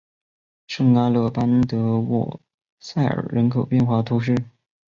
圣阿勒班德沃塞尔人口变化图示